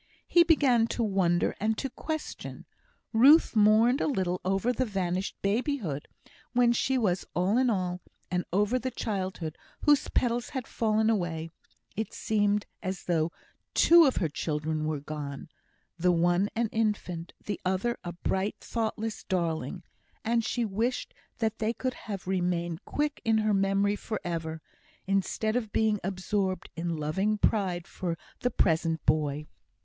He began to wonder, and to question. Ruth mourned a little over the vanished babyhood, when she was all in all, and over the childhood, whose petals had fallen away; it seemed as though two of her children were gone the one an infant, the other a bright, thoughtless darling; and she wished that they could have remained quick in her memory for ever, instead of being absorbed in loving pride for the present boy.